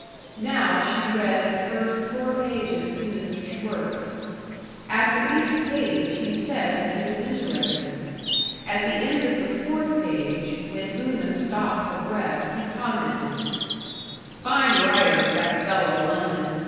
Now she read the first four pages to Mr. Schwirtz. After each page he said that he was interested. At the end of the fourth page, when Una stopped for breath, he commented: "Fine writer, that fella London.